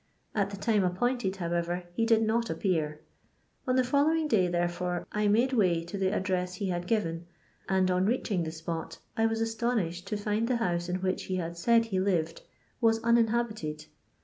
At the time appointed, however, he did not appear ; on the following day therefore I made way to the address he had given, and on reaching the spot I was astonished to find the house in which he had said he lived was uninhabited.